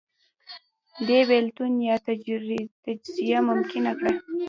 دې بېلتون یا تجزیه ممکنه کړه